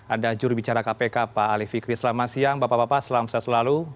ada jurubicara kpk pak ali fikri selamat siang bapak bapak selamat siang selalu